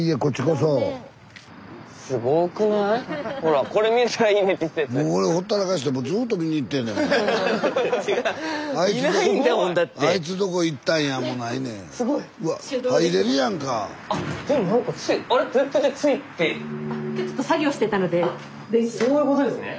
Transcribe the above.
そういうことですね。